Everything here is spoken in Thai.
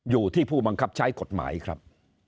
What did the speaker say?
อยู่ที่ผู้บังคับใช้กฎหมายครับ